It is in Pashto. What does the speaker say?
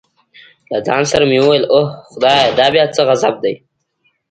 له ځان سره مې وویل اوه خدایه دا بیا څه غضب دی.